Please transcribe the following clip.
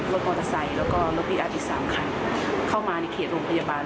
รถมอเตอร์ไซค์แล้วก็รถพี่อัพอีก๓คันเข้ามาในเขตโรงพยาบาล